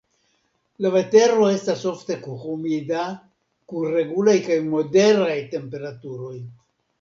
La vetero estas ofte humida, kun regulaj kaj moderaj temperaturoj.